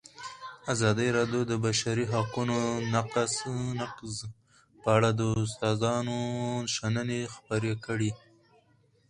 ازادي راډیو د د بشري حقونو نقض په اړه د استادانو شننې خپرې کړي.